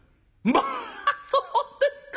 「まあそうですか！